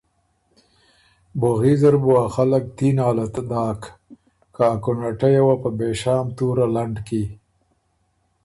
بوغي زر بُو ا خلق تي نالت دوک که ا کُنه ټئ یه وه په بېشام تُوره لنډ کی